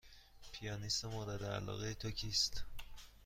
پیانیست مورد علاقه تو کیست؟